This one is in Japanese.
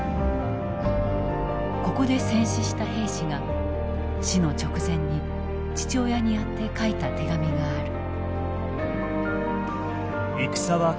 ここで戦死した兵士が死の直前に父親に宛て書いた手紙がある。